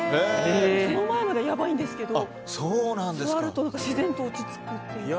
その前までがやばいんですけど座ると自然と落ち着くという。